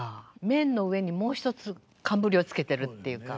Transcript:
面の上にもう一つ冠をつけてるっていうか。